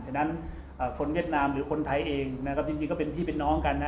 ฉะนั้นคนเวียดนามหรือคนไทยเองนะครับจริงก็เป็นพี่เป็นน้องกันนะ